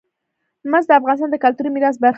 مس د افغانستان د کلتوري میراث برخه ده.